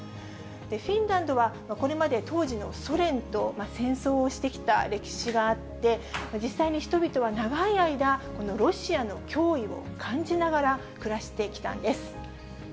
フィンランドはこれまで当時のソ連と戦争をしてきた歴史があって、実際に人々は長い間、このロシアの脅威を感じながら暮らしてきたんです。